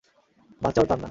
বাচ্চাও তার না।